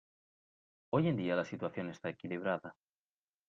Hoy en día la situación está equilibrada.